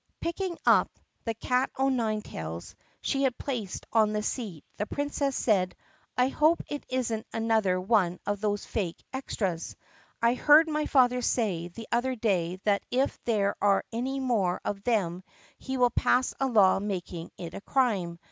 Picking up "The Cat o'Nine Tales" she had placed on the seat the Princess said : "I hope it is n't another one of those fake extras. I heard my father say the other day that if there are any more of them he will pass a law making it a crime.